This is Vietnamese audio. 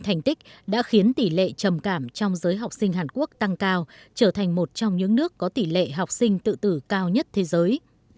thành tích đã khiến tỷ lệ trầm cảm trong giới học sinh hàn quốc tăng cao trở thành một trong những nước có tỷ lệ học sinh tự tử cao nhất thế giới